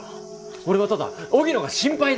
俺はただ荻野が心配で。